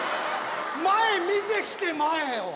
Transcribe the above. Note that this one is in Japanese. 前見て来て前を。